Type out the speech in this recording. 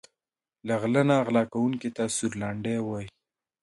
له غله نه غلا کونکي ته سورلنډی وايي.